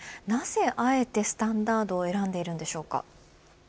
なぜあえてスタンダードを選んでいるのでしょうか。